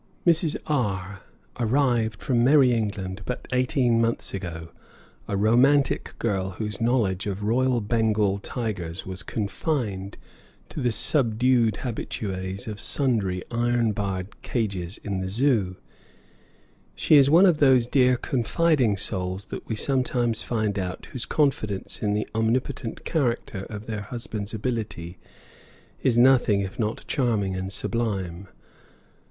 Mrs. R arrived from Merrie England but eighteen months ago, a romantic girl whose knowledge of royal Bengal tigers was confined to the subdued habitues of sundry iron barred cages in the Zoo. She is one of those dear confiding souls that we sometimes find out whose confidence in the omnipotent character of their husbands' ability is nothing if not charming and sublime.